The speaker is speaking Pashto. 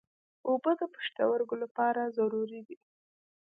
اوبه د پښتورګو لپاره ضروري دي.